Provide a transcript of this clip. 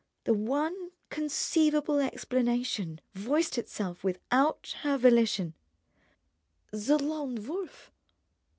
The one conceivable explanation voiced itself without her volition: "The Lone Wolf!"